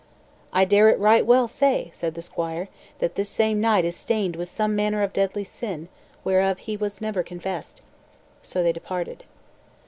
"I dare it right well say," said the squire, "that this same knight is stained with some manner of deadly sin, whereof he was never confessed." So they departed.